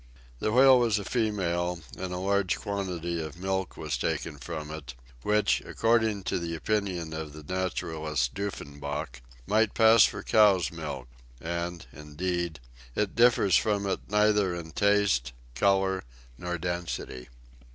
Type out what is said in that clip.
The whale was a female, and a large quantity of milk was taken from it, which, according to the opinion of the naturalist Duffenbach, might pass for cow's milk, and, indeed, it differs from it neither in taste, color, nor density.